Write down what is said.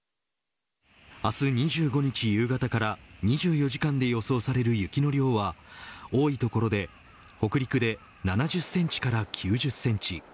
明日２５日夕方から２４時間で予想される雪の量は多い所で北陸で７０センチから９０センチ。